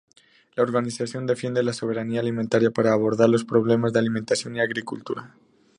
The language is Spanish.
La organización defiende la soberanía alimentaria para abordar los problemas de alimentación y agricultura.